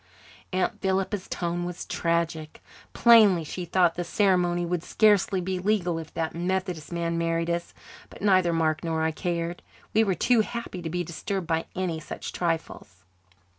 Aunt Philippa's tone was tragic. Plainly she thought the ceremony would scarcely be legal if that Methodist man married us. But neither Mark nor I cared. We were too happy to be disturbed by any such trifles.